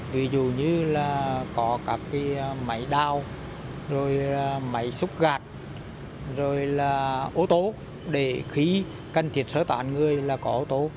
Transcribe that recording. ví dụ như là có các cái máy đao rồi máy xúc gạt rồi là ô tô để khí cần thiết sở toàn người là có ô tô